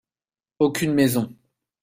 Aucune maison.